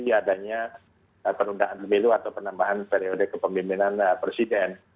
adanya penundaan pemilu atau penambahan periode kepemimpinan presiden